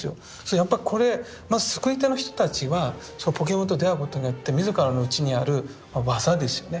やっぱこれまず作り手の人たちはそのポケモンと出会うことによって自らの内にある技ですよね。